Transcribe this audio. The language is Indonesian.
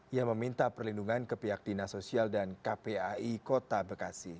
ia meminta perlindungan ke pihak dinas sosial dan kpai kota bekasi